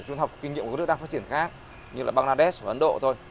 trung học kinh nghiệm của các nước đang phát triển khác như là bangladesh và ấn độ thôi